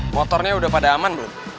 motornya udah pada aman belum